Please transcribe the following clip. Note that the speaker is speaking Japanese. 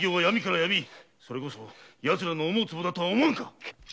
それこそやつらの思う壷だとは思わぬか！